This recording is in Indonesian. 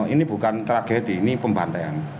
ini bukan tragedi ini pembantaian